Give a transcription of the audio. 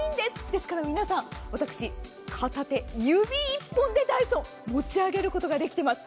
ですから私、片手指１本でダイソンを持ち上げることができています。